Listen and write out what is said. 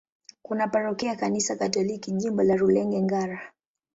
Kuna parokia ya Kanisa Katoliki, Jimbo la Rulenge-Ngara.